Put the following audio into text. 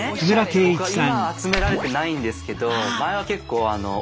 僕は今は集められてないんですけど前は結構あら！